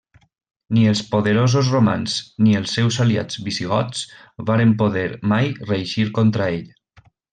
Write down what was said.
Ni els poderosos romans ni els seus aliats visigots varen poder mai reeixir contra ell.